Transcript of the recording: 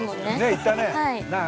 ◆行ったね。